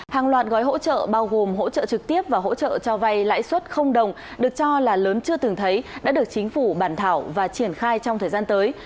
hàng loạt gói hỗ trợ bao gồm hỗ trợ trực tiếp và hỗ trợ cho vay lãi suất đồng được cho là lớn chưa từng thấy đã được chính phủ bản thảo và triển khai trong thời gian tới